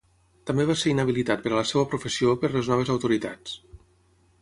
També va ser inhabilitat per a la seva professió per les noves autoritats.